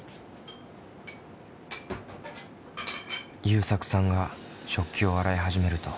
ゆうさくさんが食器を洗い始めると。